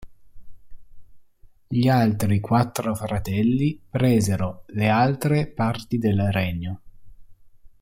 Gli altri quattro fratelli presero le altre parti del regno.